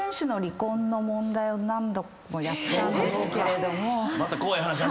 何度もやったんですけれども。